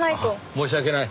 申し訳ない。